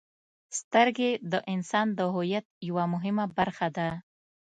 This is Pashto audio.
• سترګې د انسان د هویت یوه مهمه برخه ده.